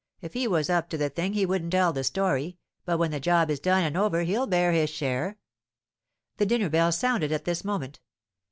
If he was up to the thing he wouldn't tell the story, but when the job is done and over he'll bear his share." The dinner bell sounded at this moment.